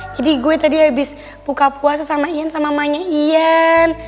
jadi gue tadi abis buka puasa sama ian sama mamanya ian